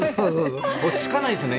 落ち着かないですね。